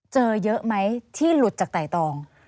เจอเยอะไหมที่หลุดจากไต่ตอง